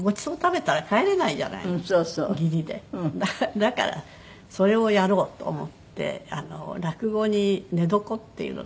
だからそれをやろうと思って落語に『寝床』っていうのが。